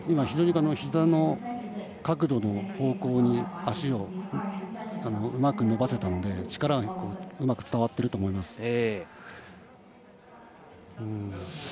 非常にひざの角度の方向に足をうまく伸ばせたので力がうまく伝わっていると思います。